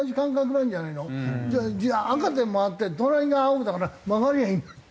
赤で曲がって隣が青だから曲がりゃいいんだって。